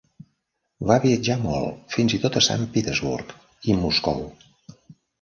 Va viatjar molt, fins i tot a Sant Petersburg i Moscou.